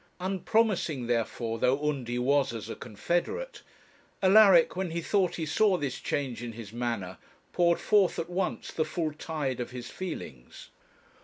Unpromising, therefore, though Undy was as a confederate, Alaric, when he thought he saw this change in his manner, poured forth at once the full tide of his feelings.